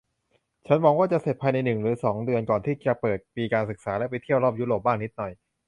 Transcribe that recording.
ฉันหวังว่าจะเสร็จภายในหนึ่งหรือสองเดือนก่อนที่จะเปิดปีการศึกษาและไปเที่ยวรอบยุโรปบ้างนิดหน่อย